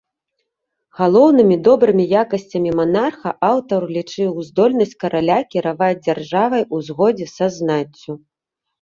Галоўнымі добрымі якасцямі манарха аўтар лічыў здольнасць караля кіраваць дзяржавай у згодзе са знаццю.